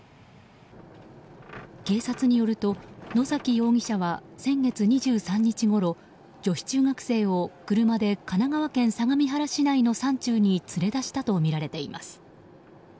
警察によると、野崎容疑者は先月２３日ごろ女子中学生を車で神奈川県相模原市内の山中に連れ出したとみられています。